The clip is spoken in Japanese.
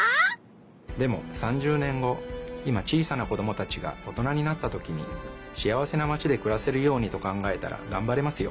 でも３０年後今小さな子どもたちが大人になったときにしあわせなマチでくらせるようにと考えたらがんばれますよ。